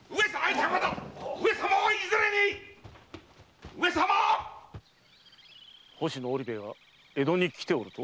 上様はいずれに⁉星野織部が江戸に来ておると？